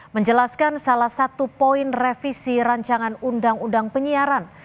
menjelaskan salah satu poin revisi rancangan undang undang penyiaran